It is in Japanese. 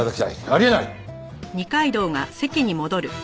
あり得ない！